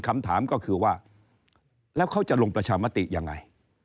คำถามก็คือว่าแล้วเขาจะลงประชามติยังไง